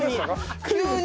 急に。